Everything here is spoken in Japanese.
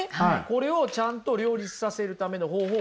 これをちゃんと両立させるための方法